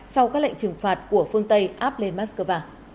sau các lệnh trừng phạt của phương tây áp lên moscow